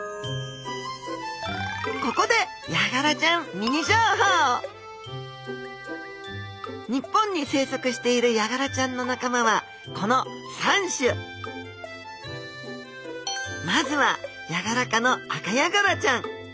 ここでヤガラちゃんミニ情報日本に生息しているヤガラちゃんの仲間はこの３種まずはヤガラ科のアカヤガラちゃん。